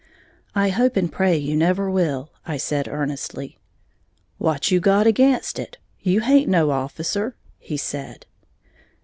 "I hope and pray you never will," I said, earnestly. "What you got again' it, you haint no officer," he said.